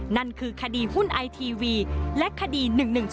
นั่นคือคดีหุ้นไอทีวีและคดี๑๑๒